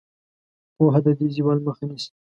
پوهه د دې زوال مخه نیسي.